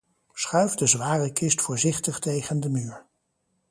Schuif de zware kist voorzichtig tegen de muur.